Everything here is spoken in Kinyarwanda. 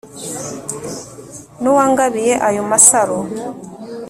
N'uwangabiye ayo masaro